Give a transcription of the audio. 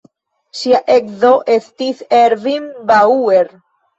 Ŝia edzo estis Ervin Bauer.